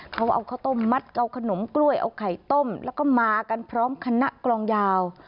เขาเอาข้าวต้มมัดเอาขนมกล้วยเอาไข่ต้มแล้วก็มากันพร้อมคณะกลองยาว